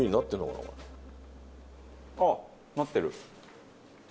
あっなってる。